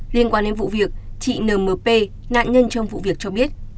liên quan đến vụ việc chị nmp nạn nhân trong vụ việc cho biết